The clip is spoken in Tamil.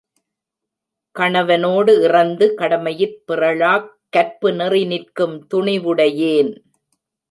கணவனோடு இறந்து கடமையிற் பிறழாக் கற்புநெறி நிற்கும் துணிவுடையேன்.